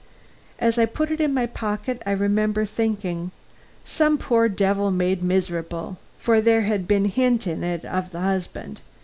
As I put it in my pocket I remember thinking, "Some poor devil made miserable!" for there had been hint in it of the husband.